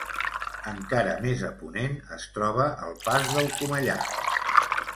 Encara més a ponent es troba el Pas del Comellar.